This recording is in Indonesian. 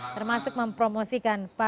termasuk mempromosikan perusahaan